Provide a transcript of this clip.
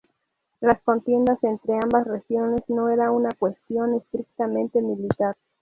Las contiendas entre ambas regiones no era una cuestión estrictamente militar.